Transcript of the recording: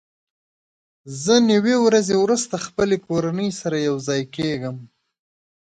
زه نوي ورځې وروسته خپلې کورنۍ سره یوځای کېږم.